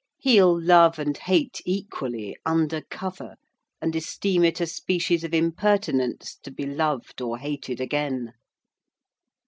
He'll love and hate equally under cover, and esteem it a species of impertinence to be loved or hated again.